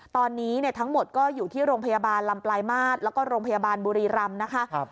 ตอนนี้ทั้งหมดก็อยู่ที่โรงพยาบาลลำปลายมาตรแล้วก็โรงพยาบาลบุรีรำนะคะ